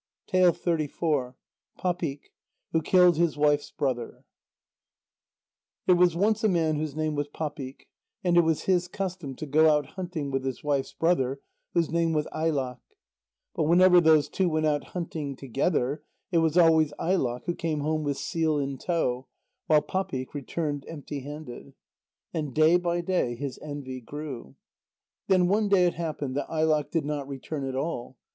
PAPIK, WHO KILLED HIS WIFE'S BROTHER There was once a man whose name was Papik, and it was his custom to go out hunting with his wife's brother, whose name was Ailaq. But whenever those two went out hunting together, it was always Ailaq who came home with seal in tow, while Papik returned empty handed. And day by day his envy grew. Then one day it happened that Ailaq did not return at all.